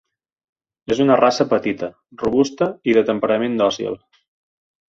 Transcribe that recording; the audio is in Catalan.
És una raça petita, robusta i de temperament dòcil.